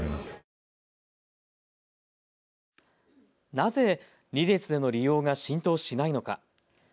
なぜ、２列での利用が浸透しないのか。